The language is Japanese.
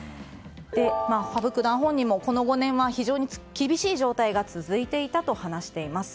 羽生九段本人もこの５年は厳しい状態が続いていたと話しています。